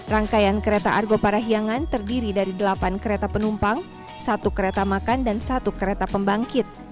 rangkaian kereta argo parahiangan terdiri dari delapan kereta penumpang satu kereta makan dan satu kereta pembangkit